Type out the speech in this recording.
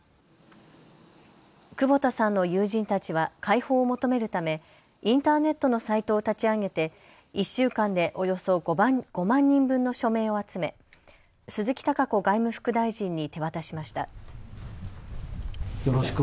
久保田さんの友人たちは解放を求めるためインターネットのサイトを立ち上げて１週間でおよそ５万人分の署名を集め鈴木貴子外務副大臣に手渡しました。